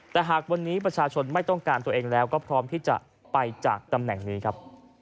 แต่หากวันนี้ประชาชนไม่ต้องการตัวเองแล้วก็พร้อมที่จะไปจากตำแหน่งนี้ครับ